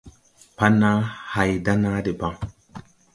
Pan naa hay da naa debaŋ.